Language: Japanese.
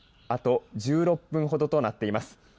あと１６分ほどとなっています。